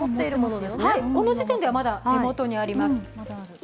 この時点ではまだ手元にあります。